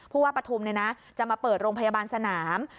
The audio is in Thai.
ว่าปฐุมจะมาเปิดโรงพยาบาลสนาม